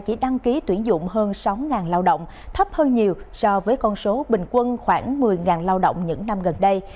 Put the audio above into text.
chỉ đăng ký tuyển dụng hơn sáu lao động thấp hơn nhiều so với con số bình quân khoảng một mươi lao động những năm gần đây